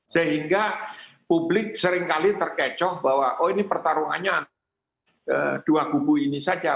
sehingga publik seringkali terkecoh bahwa oh ini pertarungannya dua kubu ini saja